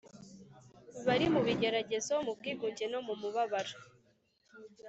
bari mu bigeragezo, mu bwigunge no mu mubabaro